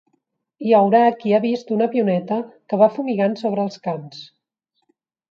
Hi haurà qui ha vist una avioneta que va fumigant sobre els camps.